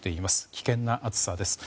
危険な暑さです。